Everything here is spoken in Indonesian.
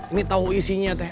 ini tau isinya teh